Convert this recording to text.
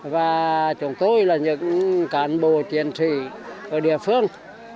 và chúng tôi là những cán bộ chiến sĩ ở địa phương